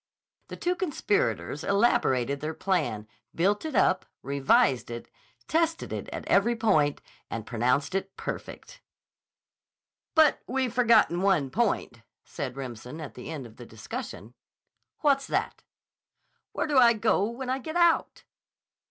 The two conspirators elaborated their plan, built it up, revised it, tested it at every point, and pronounced it perfect. "But we've forgotten one point," said Remsen at the end of the discussion. "What's that?" "Where do I go when I get out?"